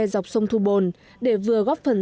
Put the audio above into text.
dọc sông thu bồn để vừa góp phần